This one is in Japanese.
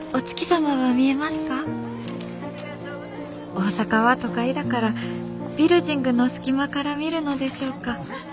大阪は都会だからビルヂングの隙間から見るのでしょうか」。